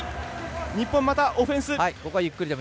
日本またオフェンス。